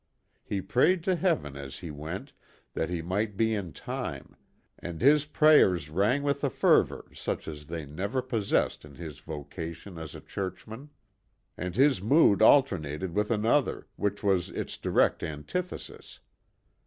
He prayed to Heaven as he went, that he might be in time, and his prayers rang with a fervor such as they never possessed in his vocation as a churchman. And this mood alternated with another, which was its direct antithesis.